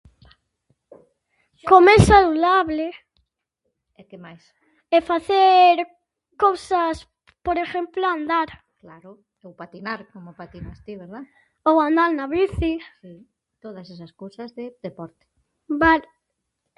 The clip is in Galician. Comer saudable. E que máis? E facer cousas por ejemplo andar. Claro ou patinar como patinas ti, verdad? Ou andar na bici. Si, todas esas cousas de deporte. Val-